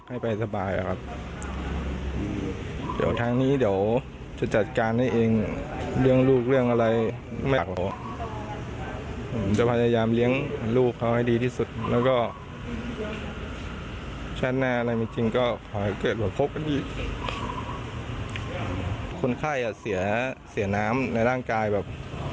อืมนี่แหละครับคือข้อติดใจสงสัยของทางสามีผู้ตายนะครับ